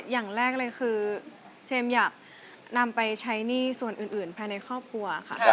อย่างแรกเลยคือเชมอยากนำไปใช้หนี้ส่วนอื่นภายในครอบครัวค่ะ